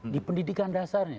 di pendidikan dasarnya